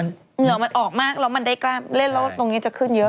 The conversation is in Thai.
เหงื่อมันออกมากแล้วมันได้กล้าเล่นแล้วตรงนี้จะขึ้นเยอะ